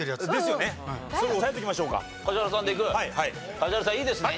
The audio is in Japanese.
梶原さんいいですね。